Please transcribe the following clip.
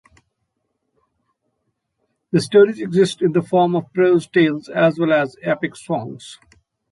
The stories exist in the form of prose tales as well as epic songs.